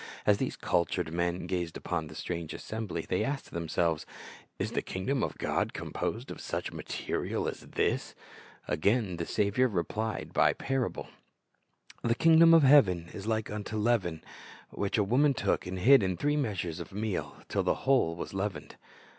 As these cultured men gazed upon the strange assembly, they asked themselves, Is the kingdom of God composed of such material as this ? Again the Saviour replied by a parable: — "The kingdom of heaven is like unto leaven, which a woman took, and hid in three measures of meal, till the whole was leavened."